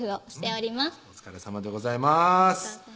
お疲れさまでございます